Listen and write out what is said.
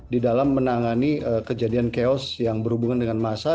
di dalam menangani kejadian chaos yang berhubungan dengan masa